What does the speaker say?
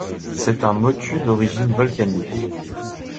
C'est un motu d'origine volcanique.